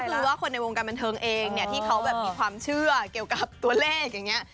คือว่าคนในวงการบันเทิงเองเนี่ยที่เขาแบบมีความเชื่อเกี่ยวกับตัวเลขอย่างนี้